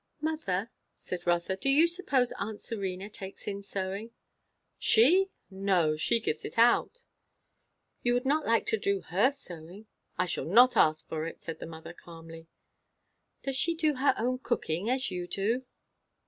"Mother," said Rotha, "do you suppose aunt Serena takes in sewing?" "She? no. She gives it out." "You would not like to do her sewing?" "I shall not ask for it," said the mother calmly. "Does she do her own cooking, as you do?"